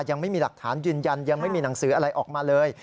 ยังไม่มีหลักฐานยืนยันยังไม่มีหนังสืออะไรออกมาเลย